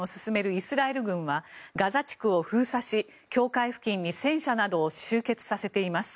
イスラエル軍はガザ地区を封鎖し、境界付近に戦車などを集結させています。